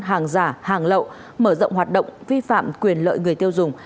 hàng giả hàng lậu mở rộng hoạt động vi phạm quyền lợi người tiêu dùng